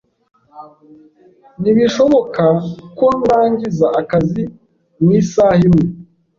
Ntibishoboka ko ndangiza akazi mu isaha imwe.